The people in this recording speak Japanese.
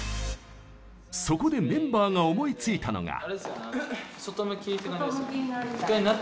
そこでメンバーが思いついたのが。